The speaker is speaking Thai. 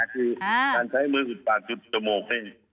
คือการใช้มืออุดปากจุดจมูก